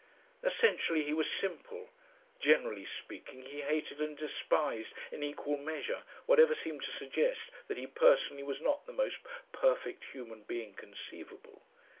Essentially he was simple. Generally speaking, he hated and despised in equal measure whatever seemed to suggest that he personally was not the most perfect human being conceivable.